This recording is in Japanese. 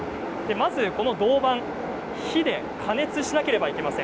銅板をまず火で加熱しなければいけません。